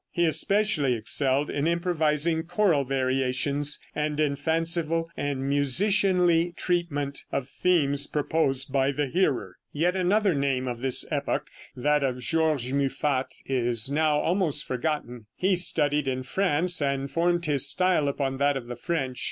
He especially excelled in improvising choral variations, and in fanciful and musicianly treatment of themes proposed by the hearer. Yet another name of this epoch, that of George Muffat, is now almost forgotten. He studied in France, and formed his style upon that of the French.